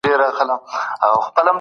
راکده پانګه تر دوراني پانګي ډیره بده ده.